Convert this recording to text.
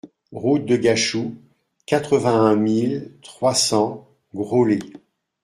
Route de Gachou, quatre-vingt-un mille trois cents Graulhet